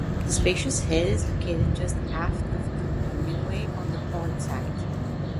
The spacious head is located just aft of companionway on the port side.